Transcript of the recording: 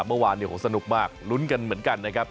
เมื่อวานสนุกมากลุ้นกันเหมือนกันนะครับ